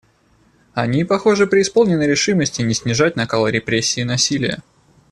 Они, похоже, преисполнены решимости не снижать накала репрессий и насилия.